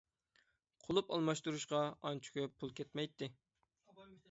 قۇلۇپ ئالماشتۇرۇشقا ئانچە كۆپ پۇل كەتمەيتتى.